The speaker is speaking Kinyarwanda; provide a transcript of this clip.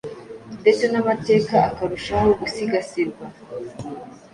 ndetse n’amateka akarushaho gusigasirwa,